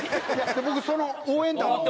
僕その応援団も。